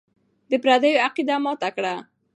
د پردیو عقیده ماته کړه.